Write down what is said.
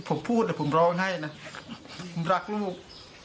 ผมพูดแล้วผมร้องให้น่ะผมรักลูก